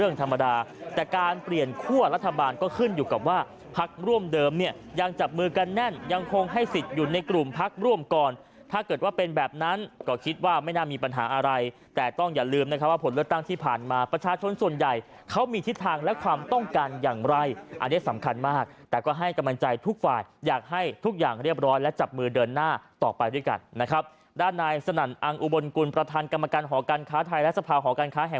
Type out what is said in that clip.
ในกลุ่มพักร่วมก่อนถ้าเกิดว่าเป็นแบบนั้นก็คิดว่าไม่น่ามีปัญหาอะไรแต่ต้องอย่าลืมนะครับว่าผลตั้งที่ผ่านมาประชาชนส่วนใหญ่เขามีทิศทางและความต้องการอย่างไรอันนี้สำคัญมากแต่ก็ให้กำลังใจทุกฝ่ายอยากให้ทุกอย่างเรียบร้อยและจับมือเดินหน้าต่อไปด้วยกันนะครับด้านนายสนั่นอังอุบลกุลประธาน